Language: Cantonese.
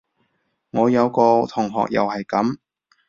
我有個同學又係噉